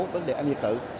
vấn đề ăn nhiệt tự